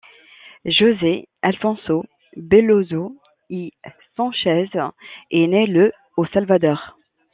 José Alfonso Belloso y Sánchez est né le au Salvador.